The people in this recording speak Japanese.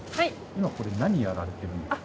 今これ何やられてるんですか？